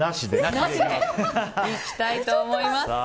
いきたいと思います。